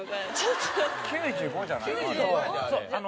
９５じゃないの？